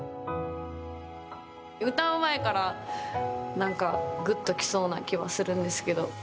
歌う前から何かグッと来そうな気はするんですけど。